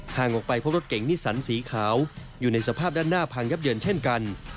ห่างออกไปพบรถเก่งนิสันสีขาวอยู่ในสภาพด้านหน้าพังยับเยินเช่นกัน